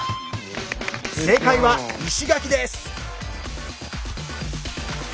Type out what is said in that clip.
正解は石垣です！